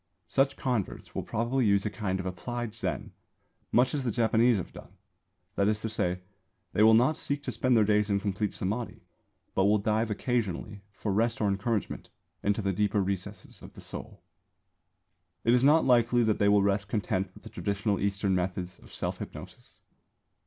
Such converts will probably use a kind of applied Zen, much as the Japanese have done; that is to say, they will not seek to spend their days in complete Samādhi, but will dive occasionally, for rest or encouragement, into the deeper recesses of the soul. It is not likely that they will rest content with the traditional Eastern methods of self hypnosis.